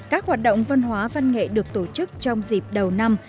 các hoạt động văn hóa văn nghệ được tổ chức trong dịp đầu năm